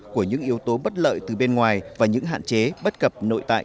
của những yếu tố bất lợi từ bên ngoài và những hạn chế bất cập nội tại